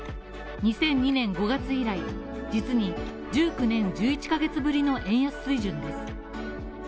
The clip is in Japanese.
２００２年５月以来、実に１９年１１カ月ぶりの円安水準です。